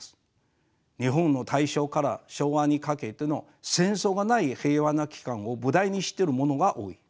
日本の大正から昭和にかけての戦争がない平和な期間を舞台にしてるものが多い。